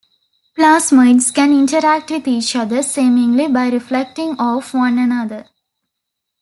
Plasmoids can interact with each other, seemingly by reflecting off one another.